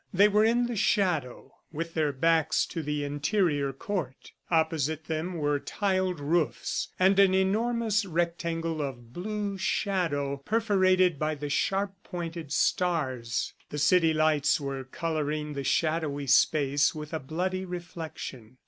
They were in the shadow, with their backs to the interior court. Opposite them were tiled roofs and an enormous rectangle of blue shadow, perforated by the sharp pointed stars. The city lights were coloring the shadowy space with a bloody reflection.